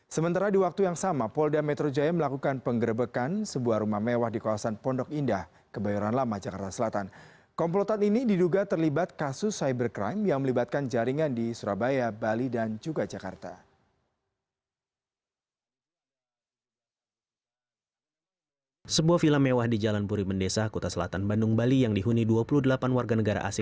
sementara di waktu yang sama polda metro jaya melakukan penggerebekan sebuah rumah mewah di kawasan pondok indah kebayoran lama jakarta selatan